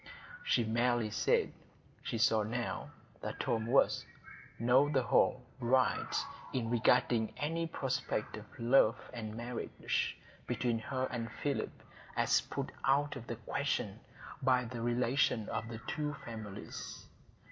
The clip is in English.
She merely said, she saw now that Tom was, on the whole, right in regarding any prospect of love and marriage between her and Philip as put out of the question by the relation of the two families.